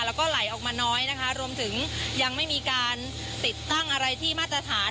แล้วก็ไหลออกมาน้อยนะคะรวมถึงยังไม่มีการติดตั้งอะไรที่มาตรฐาน